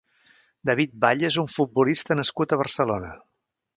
David Valle és un futbolista nascut a Barcelona.